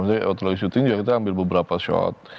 waktu di syuting kita ambil beberapa shot